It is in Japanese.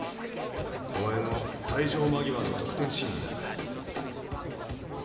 お前の退場間際の得点シーンだ。